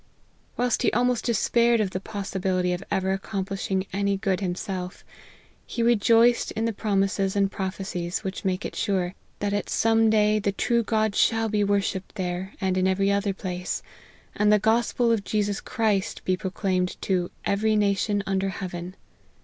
Whilst he almost despaired of the possibility of ever accomplishing any good himself, he rejoiced in the promises and prophecies which make it sure, that at some day, the true God shall be worshipped there, and in every other place ; and the gospel of Jesus Christ be proclaimed to 4 every nation under heaven.'